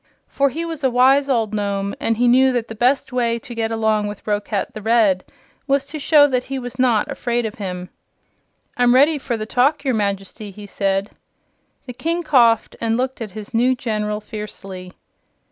For he was a wise old Nome, and he knew that the best way to get along with Roquat the Red was to show that he was not afraid of him. "I'm ready for the talk, your Majesty," he said. The King coughed and looked at his new General fiercely.